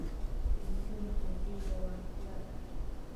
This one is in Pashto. د نجونو ښوونځي یوه اړتیا ده.